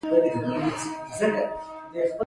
• کله ناکله ژړا کول زړه ته آرام ورکوي.